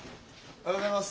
おはようございます。